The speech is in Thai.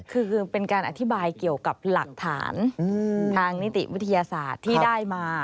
คือเป็นการอธิบายเกี่ยวกับหลักฐานทางนิติวิทยาศาสตร์ที่ได้มา